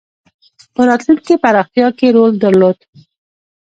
په راتلونکې پراختیا کې رول درلود.